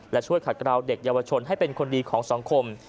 และช่วยขัดกราวเด็กเยาวชนให้เป็นคนดีของสังคม